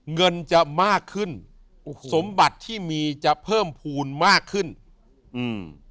เงินจะมากขึ้นโอ้โหสมบัติที่มีจะเพิ่มภูมิมากขึ้นอืม